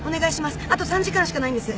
あと３時間しかないんです。